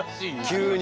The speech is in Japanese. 急に。